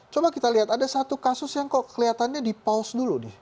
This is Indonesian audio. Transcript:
coba kita lihat ada satu kasus yang kok kelihatannya di paus dulu nih